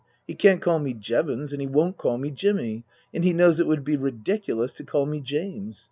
He can't call me Jevons, and he won't call me Jimmy, and he knows it would be ridiculous to call me James.